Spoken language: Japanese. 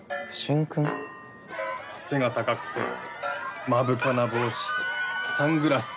背が高くて目深な帽子サングラス。